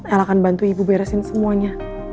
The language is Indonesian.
el akan bantu ibu beresin semuanya